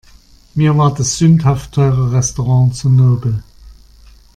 Mir war das sündhaft teure Restaurant zu nobel.